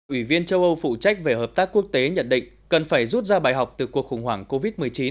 ủy viên châu âu phụ trách về hợp tác quốc tế nhận định cần phải rút ra bài học từ cuộc khủng hoảng covid một mươi chín